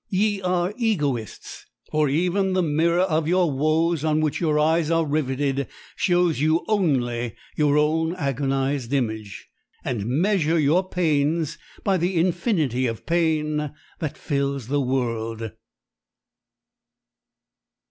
Ye are egoists! For even the mirror of your woes on which your eyes are riveted shows you only your own agonized image. And measure your pains by the infinity of pain that fills the world.